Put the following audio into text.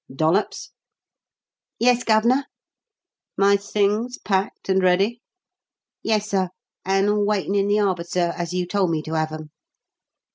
Dollops!" "Yes, Gov'nor?" "My things packed and ready?" "Yes, sir. And all waitin' in the arbour, sir, as you told me to have 'em."